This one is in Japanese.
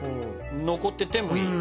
残っててもいい？